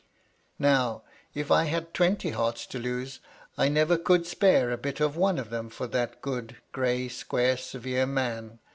" Now, if I had twenty hearts to lose, I never could spare a bit of one of them for that good, grey, square severe man.